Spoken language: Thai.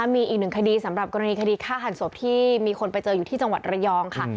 มีอีกหนึ่งคดีสำหรับกรณีคดีฆ่าหันศพที่มีคนไปเจออยู่ที่จังหวัดระยองค่ะ